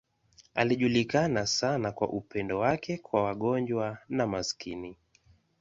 Alijulikana sana kwa upendo wake kwa wagonjwa na maskini.